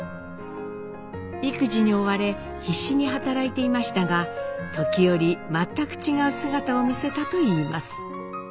育児に追われ必死に働いていましたが時折全く違う姿を見せたといいます。